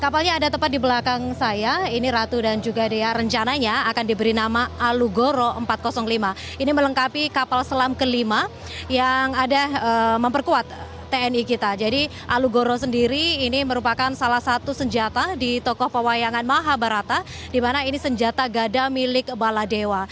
palu gada ini merupakan salah satu senjata di tokoh pewayangan mahabharata di mana ini senjata gada milik baladewa